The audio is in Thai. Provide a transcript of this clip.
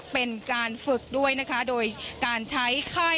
เป็นการฝึกด้วยนะคะโดยการใช้ค่าย